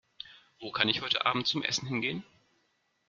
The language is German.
Wo kann ich heute Abend zum Essen hingehen?